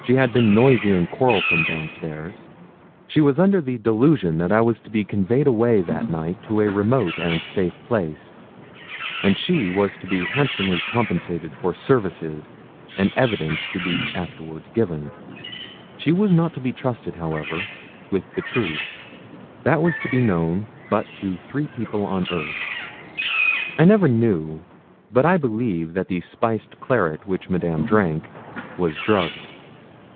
She had been noisy and quarrelsome downstairs. She was under the delusion that I was to be conveyed away that night to a remote and safe place, and she was to be handsomely compensated for services and evidence to be afterwards given. She was not to be trusted, however, with the truth. That was to be known but to three people on earth. I never knew, but I believe that the spiced claret which Madame drank was drugged.